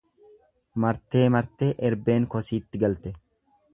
Martee martee erbeen kosiitti galte.